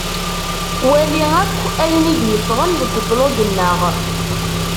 Wali akk ayen i d-yeffɣen deg ublug-nneɣ.